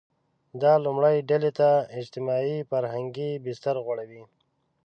دا لومړۍ ډلې ته اجتماعي – فرهنګي بستر غوړوي.